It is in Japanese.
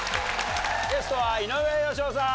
ゲストは井上芳雄さん！